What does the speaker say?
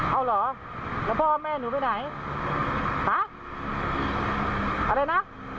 เอ้าเหรอเดี่ยวพ่อแม่หนูไปไหน